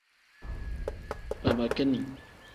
Babakini.